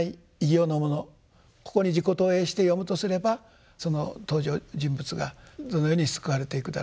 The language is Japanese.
ここに自己投影して読むとすればその登場人物がどのように救われていくだろうかと。